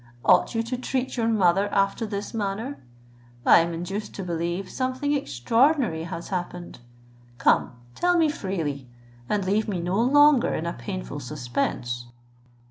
Ought you to treat your mother after this manner? I am induced to believe something extraordinary has happened; come, tell me freely, and leave me no longer in a painful suspense."